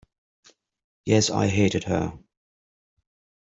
Yes, I hated her.